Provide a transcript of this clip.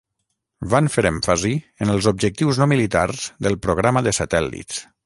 Van fer èmfasi en els objectius no militars del programa de satèl·lits.